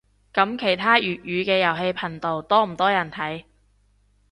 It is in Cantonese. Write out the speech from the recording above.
噉其他粵語嘅遊戲頻道多唔多人睇